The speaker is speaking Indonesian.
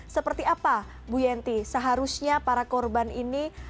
seperti apa bu yenti seharusnya para korban ini